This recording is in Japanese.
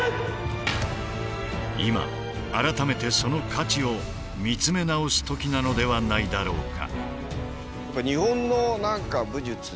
今改めてその価値を見つめ直す時なのではないだろうか。